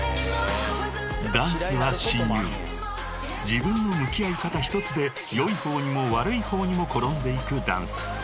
［自分の向き合い方一つで良い方にも悪い方にも転んでいくダンス］